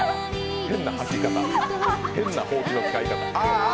変なはき方、変なほうきの使い方。